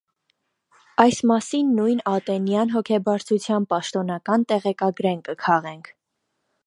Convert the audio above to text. Այս մասին նոյն ատենուան հոգեբարձութեան պաշտօնական տեղեկագրէն կը քաղենք։